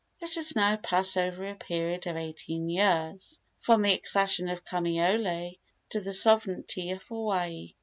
Let us now pass over a period of eighteen years from the accession of Kamaiole to the sovereignty of Hawaii.